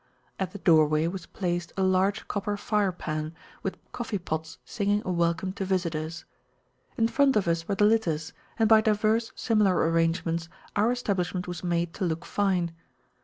At the doorway was placed a large copper fire pan, with coffee pots singing a welcome to visitors. In front of us were the litters, and by divers similar arrangements our establishment was made to look fine.